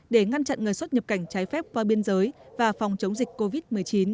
để ngăn chặn người xuất nhập cảnh trái phép qua biên giới và phòng chống dịch covid một mươi chín